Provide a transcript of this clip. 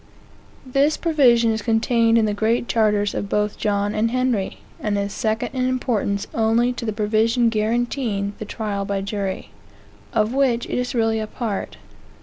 This provision is contained in the great charters of both John and Henry, and is second in importance only to the provision guaranteeing the trial by jury, of which it is really a part.